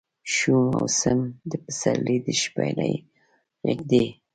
شو موسم د پسرلي د شپیلۍ غږدی